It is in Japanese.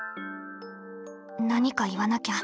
何か言わなきゃ。